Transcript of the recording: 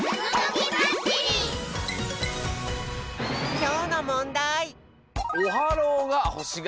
きょうのもんだい！